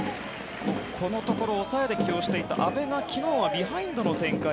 このところ抑えで起用していた阿部が昨日はビハインドの展開